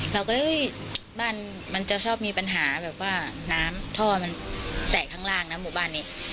เราก็เฮ้ยบ้านมันจะชอบมีปัญหาแบบว่าน้ำท่อมันแตกข้างล่างนะหมู่บ้านนี้